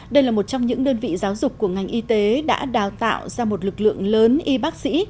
đây là một trong những đơn vị giáo dục của ngành y tế đã đào tạo ra một lực lượng lớn y bác sĩ